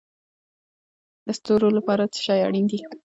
د ستورو لپاره څه شی اړین دی؟